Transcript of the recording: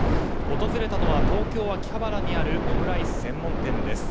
訪れたのは東京・秋葉原にあるオムライス専門店です。